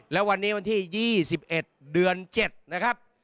และวันนี้วันที่๒๑เดือน๗นะครับ